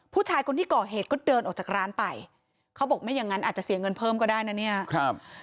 ผู้ชายคนที่ก่อเหตุก็เดินออกจากร้านไปเขาบอกไม่อย่างนั้นอาจจะเสียเงินเพิ่มก็ได้นะเนี่ยครับ